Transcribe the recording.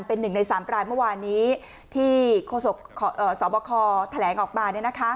เป็นหนึ่งใน๓ปลายเมื่อวานนี้ที่โฆษฎาคอแถลงออกมา